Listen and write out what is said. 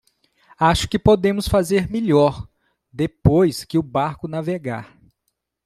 Acho que podemos fazer melhor depois que o barco navegar.